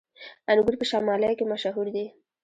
انګور په شمالی کې مشهور دي